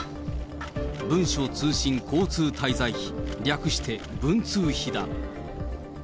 文書通信交通滞在費、略して文通費だ。